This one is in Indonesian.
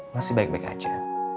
masih baik baik aja